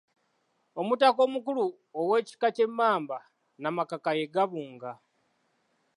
Omutaka omukulu ow’ekika ky’Emmamba Nnamakaka ye Gabunga.